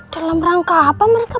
dalam rangka apa mereka